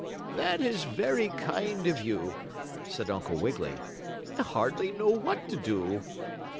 "That is very kind of you," said Uncle Wiggily. "I hardly know what to do."